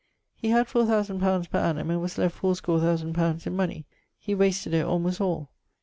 He had four thousand pounds per annum, and was left fourscore thousand pounds in money; he wasted it almost all.